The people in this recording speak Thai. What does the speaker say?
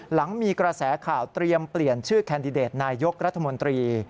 หลังมีกระแสข่าวเตรียมเปลี่ยนชื่อแคนดิเดตนายกรัฐมนตรี